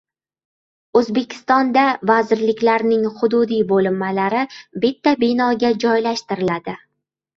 O‘zbekistonda vazirliklarning hududiy bo‘linmalari bitta binoga joylashtiriladi